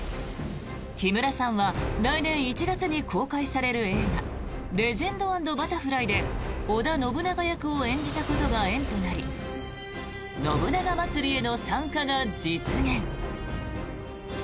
木村さんは来年１月に公開される映画「レジェンド＆バタフライ」で織田信長役を演じたことが縁となり信長まつりへの参加が実現。